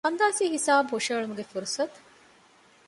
އަންދާސީ ހިސާބު ހުށަހެޅުމުގެ ފުރުޞަތު